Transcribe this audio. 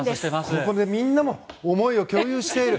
みんなも思いを共有している。